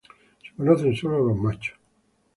Se conocen solo los machos.